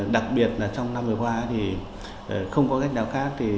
đặc biệt trong năm vừa qua không có cách nào khác